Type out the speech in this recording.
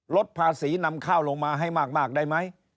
ลดภาษีนำข้าวลงมาให้มากได้ไหม